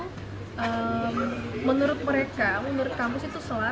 dan itu menurut mereka menurut kampus itu selar